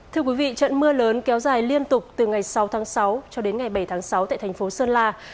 thưa quý vị trận mưa lớn kéo dài liên tục từ ngày sáu tháng sáu cho đến ngày bảy tháng sáu tại thành phố sơn la